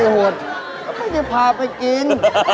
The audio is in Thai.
ห้าไม่ใช่ภาพไอ้กิน